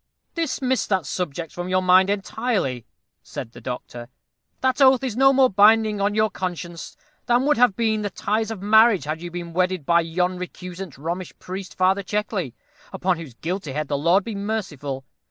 dismiss that subject from your mind entirely," said the doctor. "That oath is no more binding on your conscience than would have been the ties of marriage had you been wedded by yon recusant Romish priest, Father Checkley, upon whose guilty head the Lord be merciful!